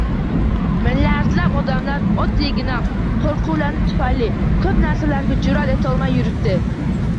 Milliardlab odamlar oddiygina qo’rquvlari tufayli ko’p narsalarga jur’at etolmay yuribdi